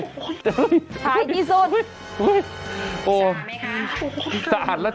เฮ้ยเฮ้ยนี่ที่สุดหายที่สุด